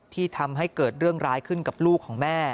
ที่ทำให้เกิดเรื่องร้ายขึ้นกับลูกของแม่